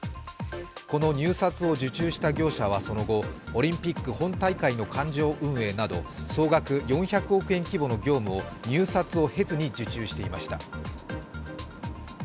この入札を受注した業者は、その後オリンピック本大会の会場運営など総額４００億円規模の業務を入札を経ずに受注していました。